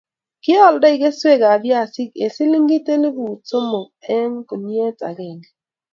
Kialdoi keswek ab viazik ak siling elipu somok eng' guniet ag'eng'e